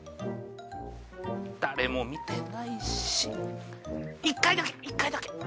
誰も見てないし１回だけ１回だけ。